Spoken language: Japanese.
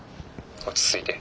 落ち着いて。